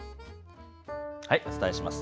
お伝えします。